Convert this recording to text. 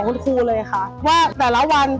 หื้อหื้อหื้อหื้อ